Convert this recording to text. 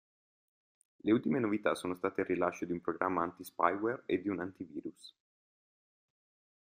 Le ultime novità sono state il rilascio di un programma antispyware e di un antivirus.